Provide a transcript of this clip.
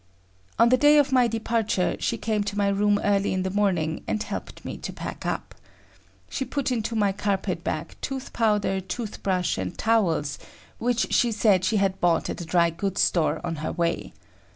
On the day of my departure, she came to my room early in the morning and helped me to pack up. She put into my carpet bag tooth powder, tooth brush and towels which she said she had bought at a dry goods store on her way.